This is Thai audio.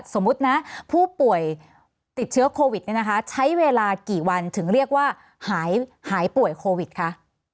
สมมุตินะผู้ป่วยติดเชื้อโควิดเนี่ยนะคะใช้เวลากี่วันถึงเรียกว่าหายป่วยโควิดคะ